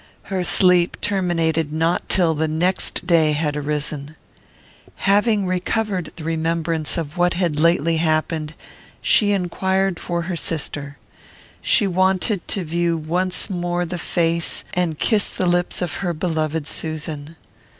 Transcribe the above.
Her sleep terminated not till the next day had arisen. Having recovered the remembrance of what had lately happened, she inquired for her sister. She wanted to view once more the face and kiss the lips of her beloved Susan.